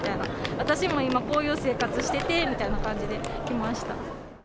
私も今はこういう生活しててみたいな感じで来ました。